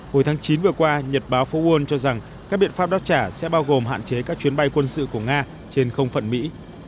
hồi tháng chín vừa qua nhật báo phố quân cho rằng các biện pháp đáp trả sẽ bao gồm hạn chế các chuyến bay quân sự của nga trên không phận mỹ